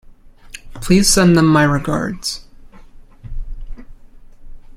Please send them my regards.